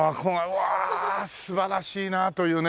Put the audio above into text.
うわ素晴らしいな！というね。